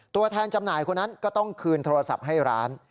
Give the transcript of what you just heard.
ตัวแทนจำหน่ายคนนั้นก็ต้องคืนโทรศัพท์ให้ร้าน